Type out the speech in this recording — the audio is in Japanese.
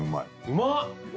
うまっ！